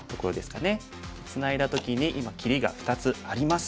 ツナいだ時に今切りが２つあります。